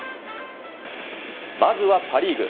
まずはパ・リーグ。